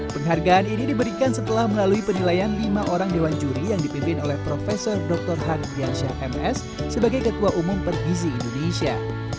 penghargaan ini diberikan setelah melalui penilaian lima orang dewan juri yang dipimpin oleh prof dr hadiansyah ms sebagai ketua umum pergizi indonesia